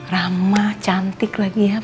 rama cantik lagi ya pak